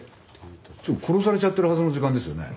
殺されちゃってるはずの時間ですよね？